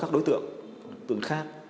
các đối tượng đối tượng khác